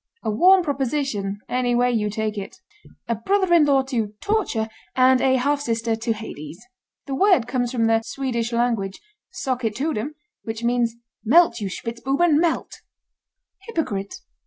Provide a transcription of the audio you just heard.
A warm proposition any way you take it. A brother in law to Torture and a half sister to Hades. The word comes from the Swedish language, "Sockett Toodem," which means "Melt, you Spitzbuben, melt!" HYPOCRITE.